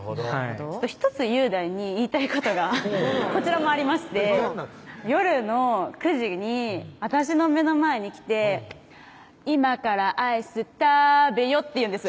１つ雄大に言いたいことがこちらもありまして夜の９時に私の目の前に来て「今からアイス食べよ」って言うんです